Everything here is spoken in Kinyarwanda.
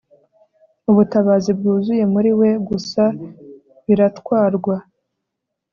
ubutabazi bwuzuye muri we, gusa biratwarwa